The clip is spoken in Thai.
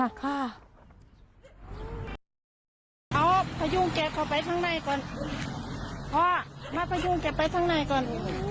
เอาพยุ่งแกเข้าไปข้างในก่อนพ่อมาพยุ่งแกไปข้างในก่อน